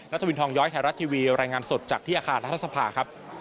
วินทองย้อยไทยรัฐทีวีรายงานสดจากที่อาคารรัฐสภาครับ